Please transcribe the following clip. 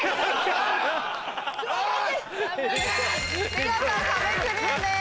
見事壁クリアです。